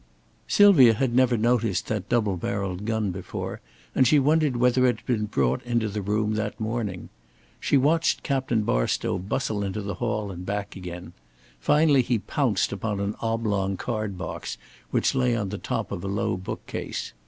Sylvia had never noticed that double barreled gun before; and she wondered whether it had been brought into the room that morning. She watched Captain Barstow bustle into the hall and back again. Finally he pounced upon an oblong card box which lay on the top of a low book case.